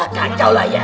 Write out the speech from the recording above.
kacau lah ya